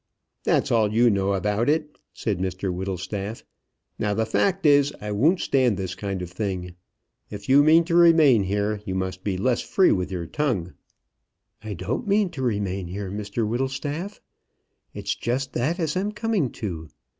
"That's all you know about it," said Mr Whittlestaff. "Now the fact is, I won't stand this kind of thing. If you mean to remain here, you must be less free with your tongue." "I don't mean to remain here, Mr Whittlestaff. It's just that as I'm coming to.